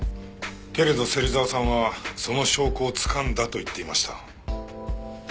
けれど芹沢さんはその証拠を掴んだと言っていました。